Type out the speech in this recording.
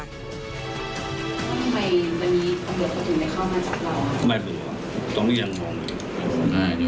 ทำไมวันนี้เขาจะไม่เข้ามาจากเรา